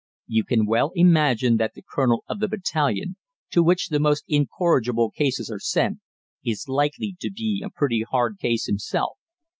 You can well imagine that the colonel of the battalion, to which the most incorrigible cases are sent, is likely to be a pretty hard case himself.